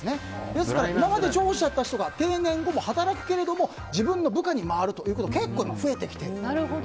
ですから今まで上司だった人が定年後も働くけれども自分の部下に回ることが増えてきている。